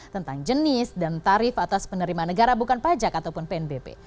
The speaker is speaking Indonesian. tentang jenis dan tarif atas penerimaan negara bukan pajak ataupun pnbp